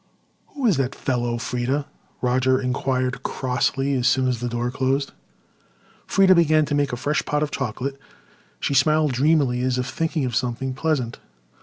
"Who is that fellow, Freda?" Roger inquired crossly, as soon as the door closed. Freda began to make a fresh pot of chocolate. She smiled dreamily as if thinking of something pleasant.